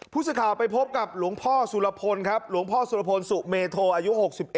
ผู้สื่อข่าวไปพบกับหลวงพ่อสุรพลครับหลวงพ่อสุรพลสุเมโทอายุ๖๑